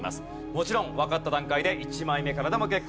もちろんわかった段階で１枚目からでも結構です。